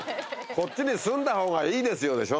こっちに住んだ方がいいですよでしょ